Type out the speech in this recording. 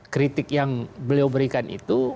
kritik yang beliau berikan itu